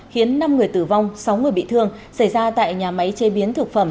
khiến năm người tử vong sáu người bị thương xảy ra tại nhà máy chế biến thực phẩm